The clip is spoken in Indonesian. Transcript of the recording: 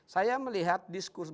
saya melihat diskursi